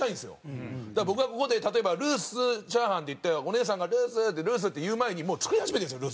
だから僕がここで例えば「ルースチャーハン」って言ってお姉さんが「ルース」って「ルース」って言う前にもう作り始めてるんですよ